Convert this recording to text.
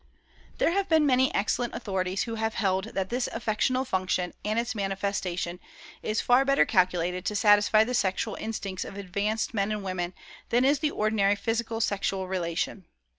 There have been many excellent authorities who have held that this affectional function, and its manifestation, is far better calculated to satisfy the sexual instincts of advanced men and women than is the ordinary physical sexual relation.